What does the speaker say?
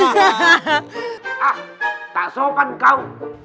ah tak sok kan kau